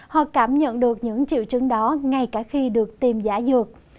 họ cảm nhận được những triệu chứng đó ngay cả khi được tiêm giả dược